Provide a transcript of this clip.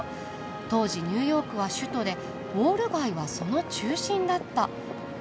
当時ニューヨークは首都でウォール街はその中心だった」。